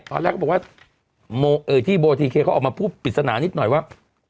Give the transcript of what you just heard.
ตอนแรกก็บอกว่าที่โบทีเคเขาออกมาพูดปริศนานิดหน่อยว่า